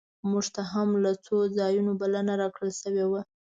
مونږ ته هم له څو ځایونو بلنه راکړل شوې وه.